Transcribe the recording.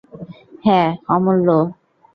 হ্যাঁ, অমূল্য।